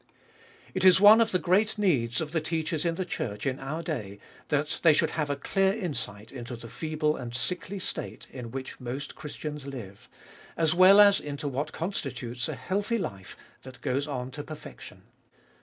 It is one of the great needs of the teachers in the Church in our day that they should have a clear insight into the feeble and sickly state in which most Christians live, as well as into what constitutes a healthy life that goes on to perfection.